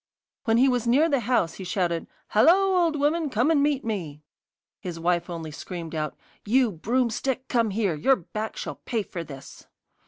When he was near the house he shouted: 'Hallo, old woman, come and meet me!' His wife only screamed out: 'You broomstick, come here! Your back shall pay for this.